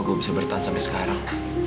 gue bisa bertahan sampai sekarang